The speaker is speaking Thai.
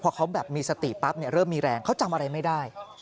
พอเขาแบบมีสติปั๊บเริ่มมีแรงเขาจำอะไรไม่ได้